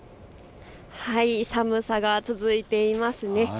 寒さが続いていますね。